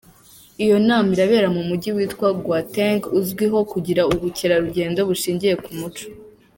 Iyo nama irabera mu Mujyi witwa Gauteng uzwi ho kugira ubukerarugendo bushingiye ku muco.